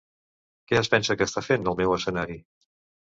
Què es pensa que està fent al meu escenari?